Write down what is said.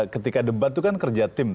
ketika debat itu kan kerja tim